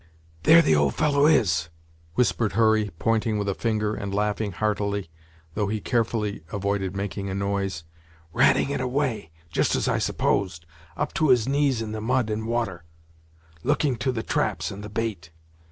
"There the old fellow is!" whispered Hurry, pointing with a finger, and laughing heartily, though he carefully avoided making a noise, "ratting it away, just as I supposed; up to his knees in the mud and water, looking to the traps and the bait.